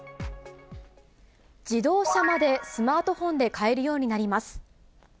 自動車までスマートフォンで買えるようになります。